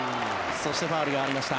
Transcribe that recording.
そして、ファウルがありました。